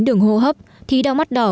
đường hô hấp thì đau mắt đỏ